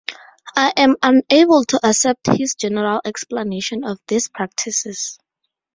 I am unable to accept his general explanation of these practices.